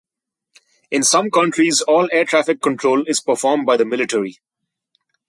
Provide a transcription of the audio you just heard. In some countries, all air traffic control is performed by the military.